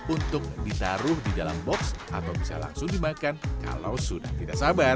untuk ditaruh di dalam box atau bisa langsung dimakan kalau sudah tidak sabar